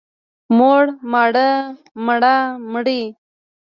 موړ، ماړه، مړه، مړې.